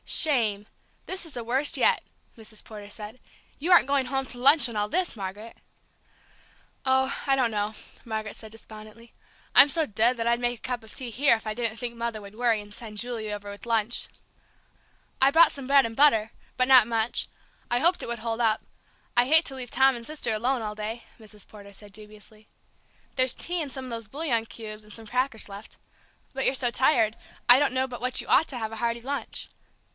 "Shame this is the worst yet!" Mrs. Porter said. "You aren't going home to lunch in all this, Margaret?" "Oh, I don't know," Margaret said despondently. "I'm so dead that I'd make a cup of tea here if I didn't think Mother would worry and send Julie over with lunch." "I brought some bread and butter but not much. I hoped it would hold up. I hate to leave Tom and Sister alone all day," Mrs. Porter said dubiously. "There's tea and some of those bouillon cubes and some crackers left. But you're so tired, I don't know but what you ought to have a hearty lunch."